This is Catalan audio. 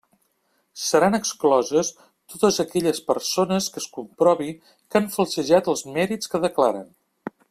Seran excloses totes aquelles persones que es comprovi que han falsejat els mèrits que declaren.